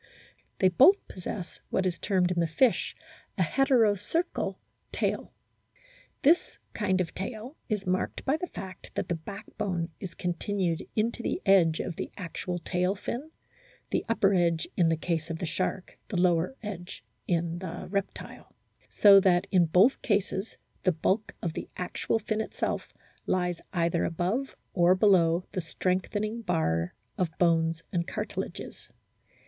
They both possess what is termed in the fish a " heterocercal " tail. This kind of tail is marked by the fact that the backbone is continued into the edge of the actual tail fin, the upper edge in the case of the shark, the lower edge in the reptile ; so that in both cases the bulk of the actual fin itself lies either above or below the strengthening bar of bones and cartilages.